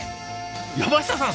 山下さん